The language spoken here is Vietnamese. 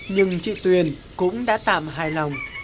nhưng chị tuyền cũng đã tạm hài lòng